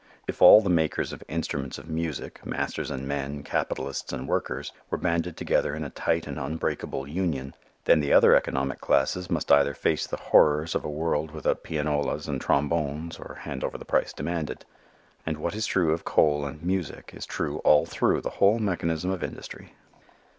If all the makers of instruments of music, masters and men, capitalists and workers, were banded together in a tight and unbreakable union, then the other economic classes must either face the horrors of a world without pianolas and trombones, or hand over the price demanded. And what is true of coal and music is true all through the whole mechanism of industry.